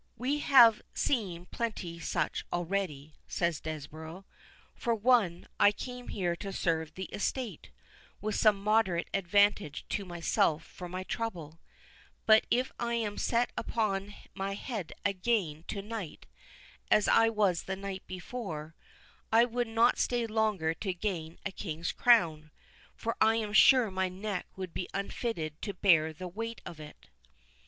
"We have seen plenty such already," said Desborough; "for one, I came here to serve the estate, with some moderate advantage to myself for my trouble; but if I am set upon my head again to night, as I was the night before, I would not stay longer to gain a king's crown; for I am sure my neck would be unfitted to bear the weight of it."